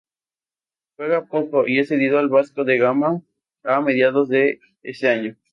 Juega poco y es cedido al Vasco da Gama a mediados de ese año.